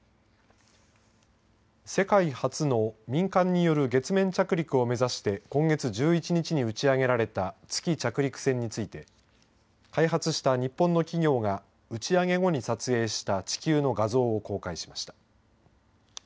世界初の民間による月面着陸を目指して今月１１日に打ち上げられた月着陸船について開発した日本の企業が打ち上げ後に撮影した地球の画像を公開しました。